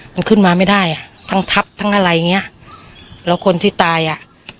มันขึ้นมาไม่ได้อ่ะทั้งทับทั้งอะไรอย่างเงี้ยแล้วคนที่ตายอ่ะ